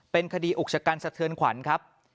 เป็นคดีอุกชะกันสะเทือนขวัญครับ